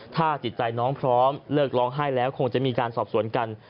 ถ้าจิตใจน้องพร้อมเลิกร้องไห้แล้วคงจะมีการสอบสวนกัน